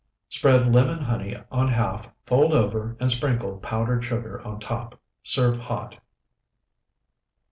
Spread lemon honey on half, fold over, and sprinkle powdered sugar on top. Serve hot.